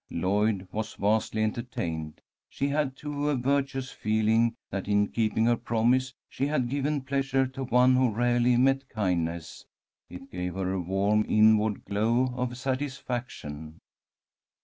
Lloyd was vastly entertained. She had, too, a virtuous feeling that in keeping her promise she had given pleasure to one who rarely met kindness. It gave her a warm inward glow of satisfaction.